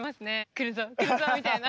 来るぞ来るぞみたいな。